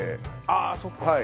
ああそっか。